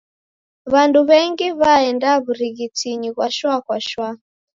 W'andu w'engi w'aenda w'urighitinyi ghwa shwa kwa shwa.